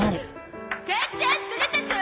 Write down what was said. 母ちゃん取れたゾ！